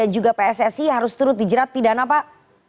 juga pssi harus turut dijerat pidana pak